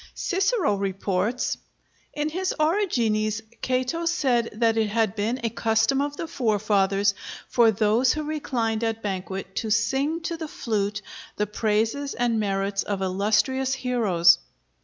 Cicero reports: "In his 'Origines' Cato said that it had been a custom of the forefathers, for those who reclined at banquet to sing to the flute the praises and merits of illustrious heroes."